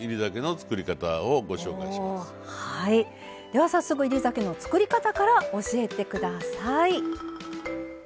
では早速煎り酒の作り方から教えて下さい。